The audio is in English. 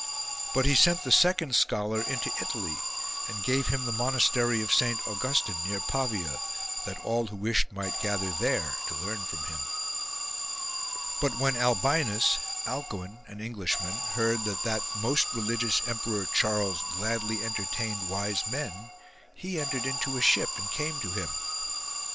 But he sent the second scholar into Italy and gave him the monastery of Saint Augustine near Pavia, that all who wished might gather there to learn from him. 2. But when Albinus (Alcuin), an Englishman, heard that that most religious Emperor Charles gladly entertained wise men, he entered into a ship and came to him.